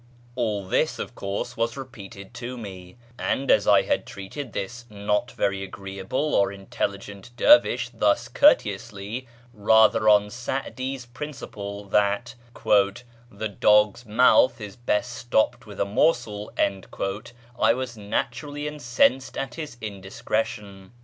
All this, of course, was repeated to me ; and as I had treated this not very agreeable or intelligent dervish thus courteously rather on Sa'di's principle that " the dog's mouth is best stopped with a morsel," I was naturally in censed at his indiscretion.